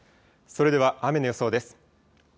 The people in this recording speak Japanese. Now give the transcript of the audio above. それでは雨の予想です。